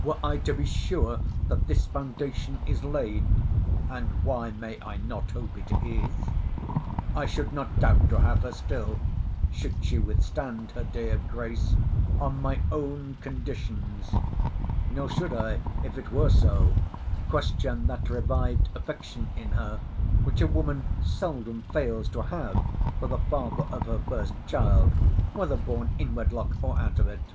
Were I to be sure that this foundation is laid [And why may I not hope it is?] I should not doubt to have her still (should she withstand her day of grace) on my own conditions; nor should I, if it were so, question that revived affection in her, which a woman seldom fails to have for the father of her first child, whether born in wedlock, or out of it.